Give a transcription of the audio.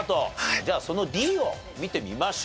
じゃあそのＤを見てみましょうか。